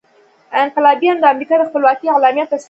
انقلابیانو د امریکا د خپلواکۍ اعلامیه تصویب کړه.